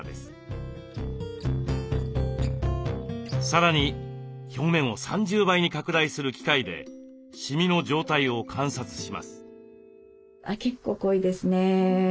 さらに表面を３０倍に拡大する機械でシミの状態を観察します。